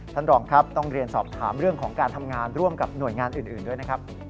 ท่านรองครับต้องเรียนสอบถามเรื่องของการทำงานร่วมกับหน่วยงานอื่นด้วยนะครับ